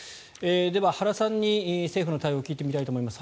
では、原さんに政府の対応を聞いてみたいと思います。